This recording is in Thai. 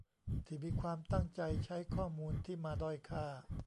ที่มีความตั้งใจใช้ข้อมูลที่มาด้อยค่า